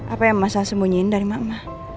apa yang masa sembunyiin dari mama